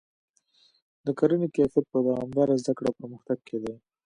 د کرنې کیفیت په دوامداره زده کړه او پرمختګ کې دی.